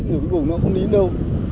thì cuối cùng nó không đến đâu